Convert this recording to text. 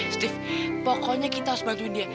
terus pokoknya kita harus bantuin dia